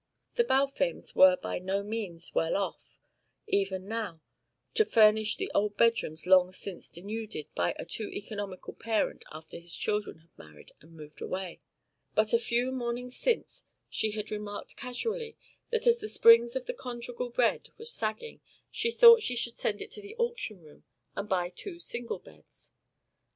The Balfames were by no means well enough off, even now, to refurnish the old bedrooms long since denuded by a too economical parent after his children had married and moved away, but a few mornings since she had remarked casually that as the springs of the conjugal bed were sagging she thought she should send it to the auction room and buy two single beds.